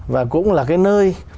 và cũng là cái nơi